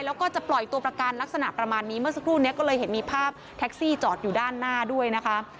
แล้วก็จะปล่อยตัวประกันลักษณะประมาณนี้เมื่อสักครู่นี้ก็เลยเห็นมีภาพแท็กซี่จอดอยู่ด้านหน้าด้วยนะคะ